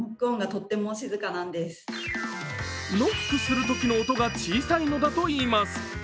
ノックするときの音が小さいのだといいます。